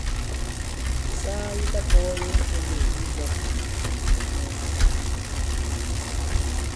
Saa yi ta-pɔ̄ɔye ifendêk i mbɔ̄k mù mǔ.